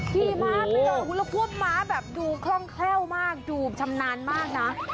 ขี่ม้าไปดอหุลพ่อม้าแบบดูคล่องแค่วมากดูชำนาญมากนะ